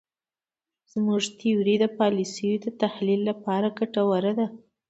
زموږ تیوري د پالیسیو د تحلیل لپاره ګټوره ده.